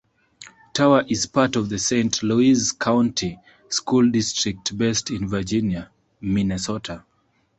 Tower is part of the Saint Louis County school district based in Virginia, Minnesota.